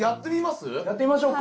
やってみましょうか。